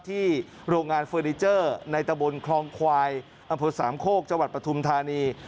โรงงานเฟอร์นิเจอร์ในตะบนคลองควายอำเภอสามโคกจังหวัดปฐุมธานี